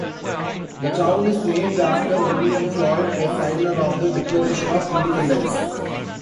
The town is named after William Floyd, a signer of the Declaration of Independence.